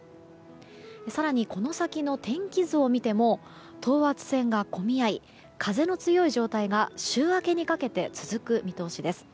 更にこの先の天気図を見ても等圧線が込み合い風の強い状態が週明けにかけて続く見通しです。